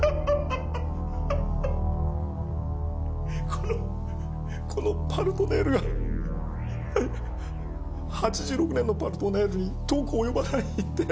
このこの「パルトネール」が８６年の「パルトネール」に遠く及ばないって？